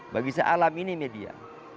bagi sealam ini media